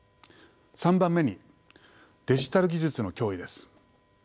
３番目にデジタル技術の脅威です。